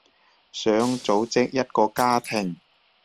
想組織一個家庭